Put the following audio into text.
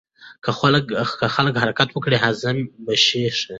که خلک حرکت وکړي هاضمه به ښه شي.